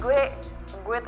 gue terlalu keras ya